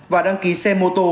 và đăng ký xe mô tô